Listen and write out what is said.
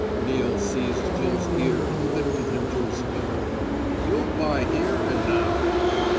Neal seized Jim's ear and lifted him to his feet. "You'll buy here, and now."